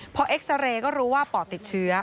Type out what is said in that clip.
พอเอ็กซาเรย์ก็รู้ว่าปอดติดเชื้อ